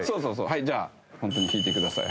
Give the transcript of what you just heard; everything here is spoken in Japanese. はいじゃあホントに引いてください。